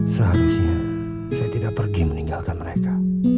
seharusnya saya tidak pergi meninggalkan mereka